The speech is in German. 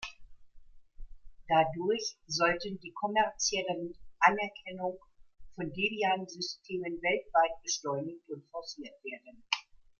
Dadurch sollte die kommerzielle Anerkennung von Debian-Systemen weltweit beschleunigt und forciert werden.